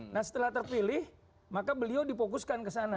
nah setelah terpilih maka beliau difokuskan ke sana